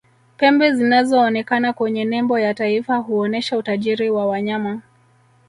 pembe zinazoonekana kwenye nembo ya taifa huonesha utajiri wa wanyama